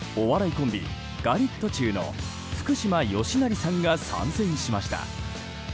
コンビガリットチュウの福島善成さんが参戦しました。